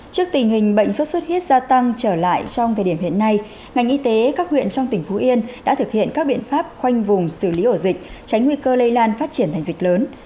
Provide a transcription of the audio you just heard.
trước tình hình bệnh sốt xuất huyết gia tăng trở lại trong thời điểm hiện nay ngành y tế các huyện trong tỉnh phú yên đã thực hiện các biện pháp khoanh vùng xử lý ổ dịch tránh nguy cơ lây lan phát triển thành dịch lớn